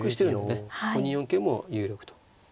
２四桂も有力と。